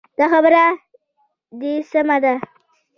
دا خبره دې سمه ده.